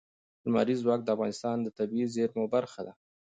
لمریز ځواک د افغانستان د طبیعي زیرمو برخه ده.